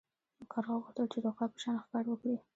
یو کارغه غوښتل چې د عقاب په شان ښکار وکړي.